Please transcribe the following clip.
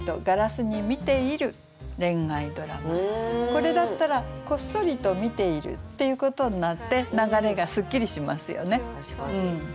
これだったら「こっそりと見ている」っていうことになって流れがすっきりしますよね。